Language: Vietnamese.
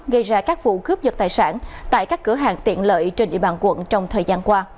gây ra các vụ cướp dật tài sản tại các cửa hàng tiện lợi trên địa bàn quận trong thời gian qua